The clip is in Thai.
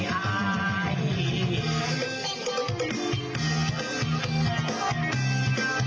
มันออกมันแปลงแต่ละน้องกองแกง